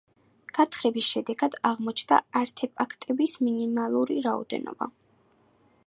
გათხრების შედეგად აღმოჩნდა არტეფაქტების მინიმალური რაოდენობა.